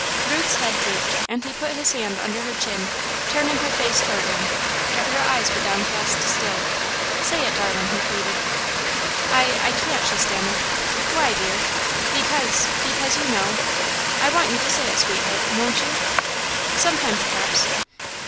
Ruth's head drooped, and he put his hand under her chin, turning her face toward him, but her eyes were downcast still. "Say it, darling," he pleaded. "I I can't," she stammered. "Why, dear?" "Because because you know." "I want you to say it, sweetheart. Won't you?" "Sometime, perhaps."